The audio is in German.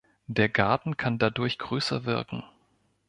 Der Garten kann dadurch größer wirken.